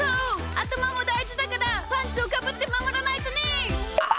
あたまもだいじだからパンツをかぶってまもらないとね！